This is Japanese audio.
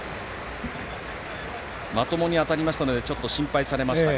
まともに当たりましたので心配されましたが。